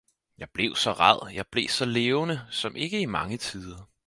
Jeg blev så ræd, jeg blev så levende, som ikke i mange tider!